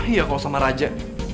iya kalau sama raja